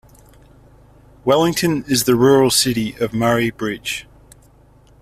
Wellington is in the Rural City of Murray Bridge.